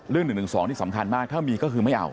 เรื่อง๑๑๒นี่สำคัญมากถ้ามีก็คือไม่เอา